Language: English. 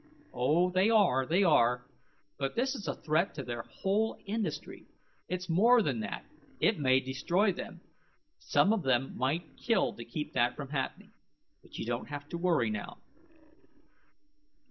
"Oh, they are, they are. But this is a threat to their whole industry. It's more than that, it may destroy them. Some of them might kill to keep that from happening. But you don't have to worry now."